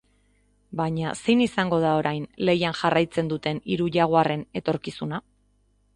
Baina, zein izango da orain lehian jarraitzen duten hiru jaguarren etorkizuna?